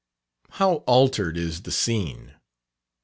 How altered is the scene!